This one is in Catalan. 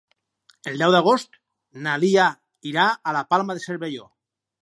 El deu d'agost na Lia irà a la Palma de Cervelló.